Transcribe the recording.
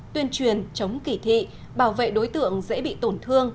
tuyên truyền chống kỳ thị bảo vệ đối tượng dễ bị tổn thương